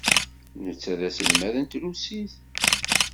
Netta d aselmad n trusit.